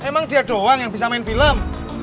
emang dia doang yang bisa main film